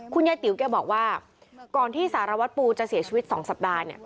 ยายติ๋วแกบอกว่าก่อนที่สารวัตรปูจะเสียชีวิต๒สัปดาห์เนี่ย